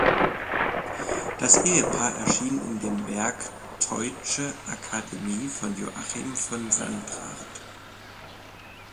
Das Ehepaar erschien in dem Werk "Teutsche Academie" von Joachim von Sandrart.